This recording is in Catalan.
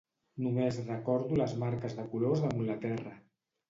Només recordo les marques de colors damunt del terra.